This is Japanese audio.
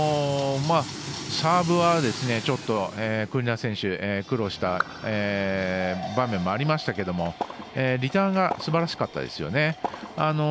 サーブはちょっと、国枝選手苦労した場面もありましたけれどもリターンがすばらしかったですよね。